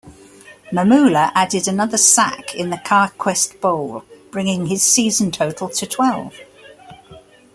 Mamula added another sack in the Carquest Bowl, bringing his season total to twelve.